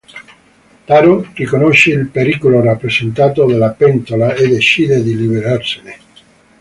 Taron riconosce il pericolo rappresentato dalla pentola, e decide di liberarsene.